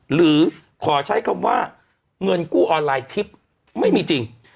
หรือขอใช้คำว่าเงินกู้ออนไลน์ทิพย์ไม่มีจริง